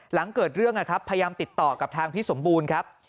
หลังเกิดเรื่องนะครับพยายามติดต่อกับทางพี่สมบูรณ์ครับ